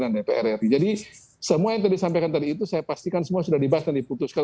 dan prrt jadi semua yang tadi disampaikan tadi itu saya pastikan semua sudah dibahas dan diputuskan